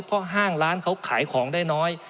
เพราะห้างร้านเขาขายของได้น้อย